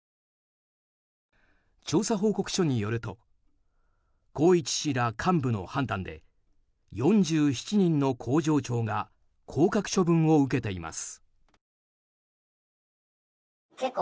調査報告書によると宏一氏ら幹部の判断で４７人の工場長が降格処分を受けています。